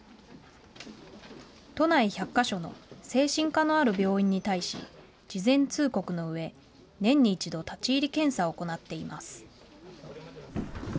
都内１００か所の精神科のある病院に対し事前通告のうえ、年に一度立ち入り検査を行っています。